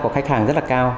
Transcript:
của khách hàng rất là cao